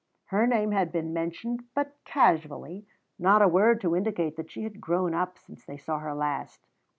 Her name had been mentioned but casually, not a word to indicate that she had grown up since they saw her last.